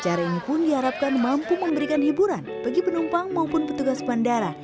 acara ini pun diharapkan mampu memberikan hiburan bagi penumpang maupun petugas bandara